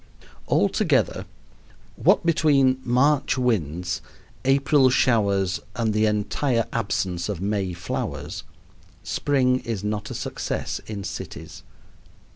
Altogether, what between March winds, April showers, and the entire absence of May flowers, spring is not a success in cities.